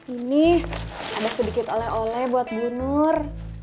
ini ada sedikit oleh oleh buat bu nur